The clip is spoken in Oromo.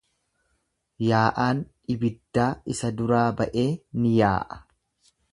yaa'aan ibiddaa isa duraa ba'ee in yaa'a;